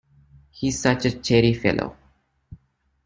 He is such a cheery fellow.